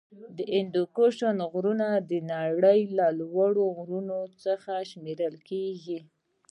د هندوکش غرونه د نړۍ یو له لوړو غرونو څخه شمېرل کیږی.